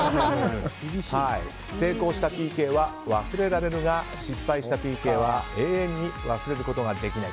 成功したＰＫは忘れられるが失敗したＰＫは永遠に忘れることができない。